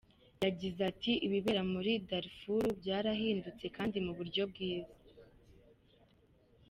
Yagize ati “Ibibera muri Darfour byarahindutse kandi mu buryo bwiza.